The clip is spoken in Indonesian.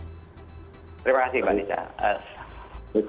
terima kasih mbak nisha